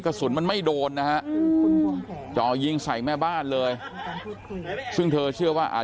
กระสุนมันไม่โดนนะฮะจ่อยิงใส่แม่บ้านเลยซึ่งเธอเชื่อว่าอ่า